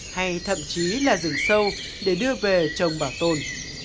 hay thậm chí là rừng sâu để đưa về trồng bảo tồn